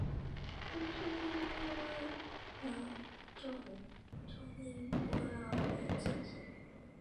它们是非洲另外两种丛林伯劳的近亲。